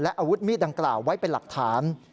อาวุธมีดดังกล่าวไว้เป็นหลักฐาน